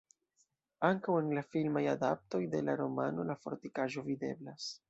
Ankaŭ en la filmaj adaptoj de la romano la fortikaĵo videblas.